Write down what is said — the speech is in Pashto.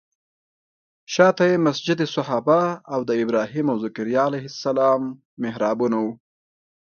شاته یې مسجد صحابه او د ابراهیم او ذکریا علیه السلام محرابونه وو.